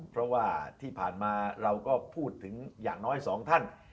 เพราะว่าที่ผ่านมาเราก็พูดถึงอย่างน้อยสองท่าน